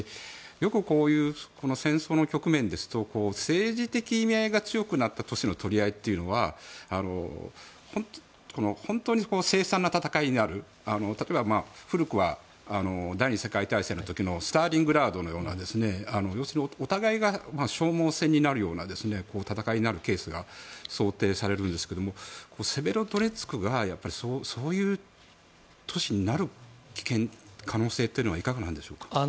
よく、こういう戦争の局面ですと政治的意味合いが強くなった都市の取り合いというのは本当に凄惨な戦いである例えば古くは第２次世界大戦の時のスターリングラードのような要するに、お互いが消耗戦になるような戦いになるケースが想定されるんですけれどもセベロドネツクがそういう年になる危険、可能性はいかがなんでしょうか。